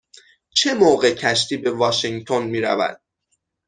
چه موقع کشتی به واشینگتن می رود؟